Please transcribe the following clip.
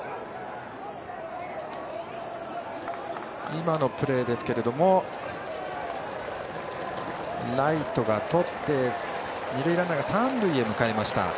今のプレーですけどライトがとって二塁ランナーが三塁へ向かいました。